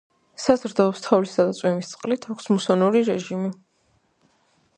საზრდოობს თოვლისა და წვიმის წყლით, აქვს მუსონური რეჟიმი.